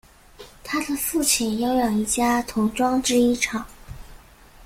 他的父亲拥有一家童装制衣厂。